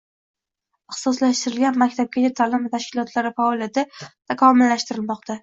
Ixtisoslashtirilgan maktabgacha ta’lim tashkilotlari faoliyati takomillashtirilmoqda